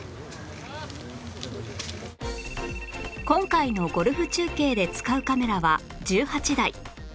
今回のゴルフ中継で使うカメラは１８台